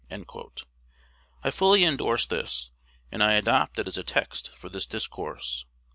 I fully indorse this, and I adopt it as a text for this discourse.